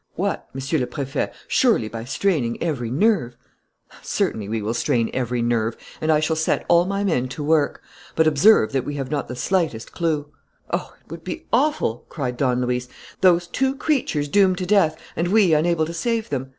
"What, Monsieur le Préfet? Surely, by straining every nerve " "Certainly, we will strain every nerve; and I shall set all my men to work. But observe that we have not the slightest clue." "Oh, it would be awful!" cried Don Luis. "Those two creatures doomed to death; and we unable to save them!